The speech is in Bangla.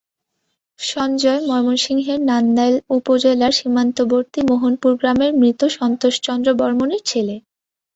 সঞ্জয় ময়মনসিংহের নান্দাইল উপজেলার সীমান্তবর্তী মোহনপুর গ্রামের মৃত সন্তোষ চন্দ্র বর্মনের ছেলে।